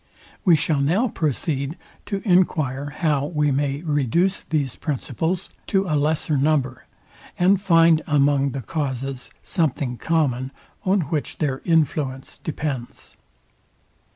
We shall now proceed to enquire how we may reduce these principles to a lesser number, and find among the causes something common, on which their influence depends.